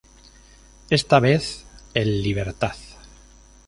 Esta vez el Libertad.